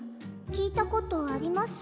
きいたことあります？